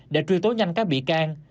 để truy tố nhanh các bị can